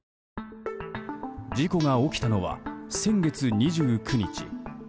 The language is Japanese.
事故が起きたのは先月２９日。